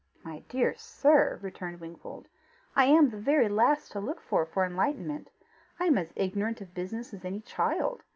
"My dear sir," returned Wingfold, "I am the very last to look to for enlightenment. I am as ignorant of business as any child.